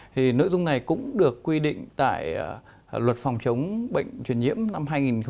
thì nội dung này cũng được quy định tại luật phòng chống bệnh truyền nhiễm năm hai nghìn bảy